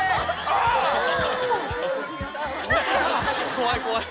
怖い怖い。